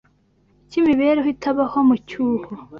cyimibereho itabaho mu cyuho